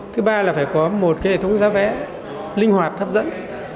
thứ ba là phải có một hệ thống giá vẽ linh hoạt thấp dẫn